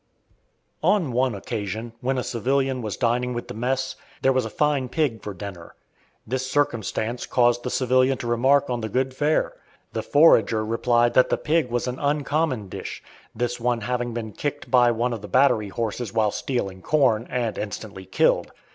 On one occasion, when a civilian was dining with the mess, there was a fine pig for dinner. This circumstance caused the civilian to remark on the good fare. The "forager" replied that pig was an uncommon dish, this one having been kicked by one of the battery horses while stealing corn, and instantly killed.